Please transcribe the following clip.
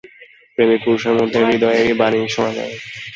প্রেমিক পুরুষের মধ্যে হৃদয়েরই বাণী শোনা যায়।